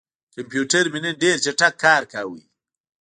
کمپیوټر مې نن ډېر چټک کار کاوه.